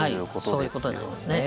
はいそういうことになりますね。